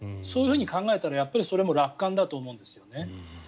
そういうふうに考えたらやっぱりそれも楽観だと思うんです。